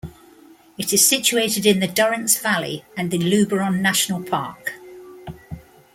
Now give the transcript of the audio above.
It is situated in the Durance Valley and the Luberon National Park.